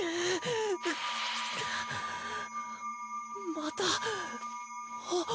またあっ！